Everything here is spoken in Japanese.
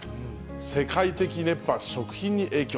世界的熱波、食品に影響。